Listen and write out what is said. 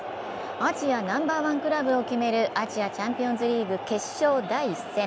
アジアナンバーワンクラブを決めるアジアチャンピオンズリーグ決勝第１戦。